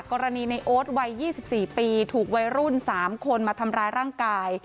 กรณีในโอ๊ตวัย๒๔ปีถูกวัยรุ่น๓คนมาทำร้ายร่างกาย